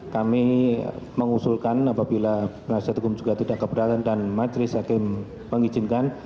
kami mengusulkan apabila penasihat hukum juga tidak keberatan dan majelis hakim mengizinkan